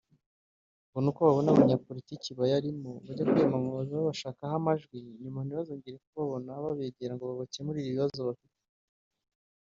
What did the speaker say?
ngo ni uko babona abanyapolitiki bayarimo bajya kwiyamamaza babashakaho amajwi nyuma ntibazongere kubabona babegera ngo babakemurire ibibazo bafite